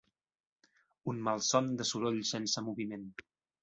Un malson de soroll sense moviment